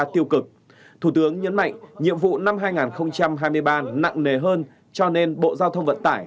tiêu cực thủ tướng nhấn mạnh nhiệm vụ năm hai nghìn hai mươi ba nặng nề hơn cho nên bộ giao thông vận tải